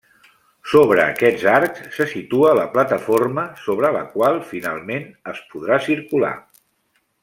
Sobre aquests arcs se situa la plataforma sobre la qual finalment es podrà circular.